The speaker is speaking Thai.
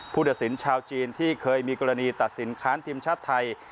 ตัดสินชาวจีนที่เคยมีกรณีตัดสินค้านทีมชาติไทย